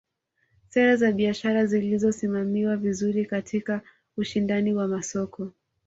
Sera za biashara zisizosimamiwa vizuri katika ushindani wa masoko